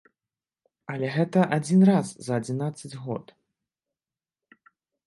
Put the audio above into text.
Але гэта адзін раз за адзінаццаць год.